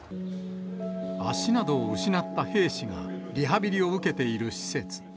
足などを失った兵士が、リハビリを受けている施設。